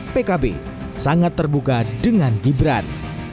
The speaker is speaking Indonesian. pkb sangat terbuka dengan gibran